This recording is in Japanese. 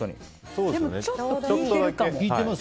でも、ちょっと効いてるかも。